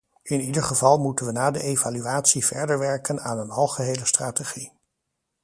In ieder geval moeten we na de evaluatie verder werken aan een algehele strategie.